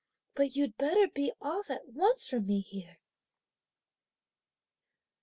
but, you'd better be off at once from me here!"